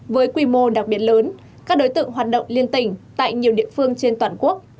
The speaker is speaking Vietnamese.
với quy mô đặc biệt lớn các đối tượng hoạt động liên tỉnh tại nhiều địa phương trên toàn quốc